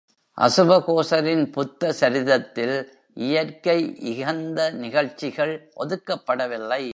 அசுவகோசரின் புத்தசரிதத்தில் இயற்கையிகந்த நிகழ்ச்சிகள் ஒதுக்கப்படவில்லை.